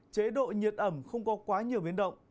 chế độ nhiệt ẩm không có quá nhiều biến động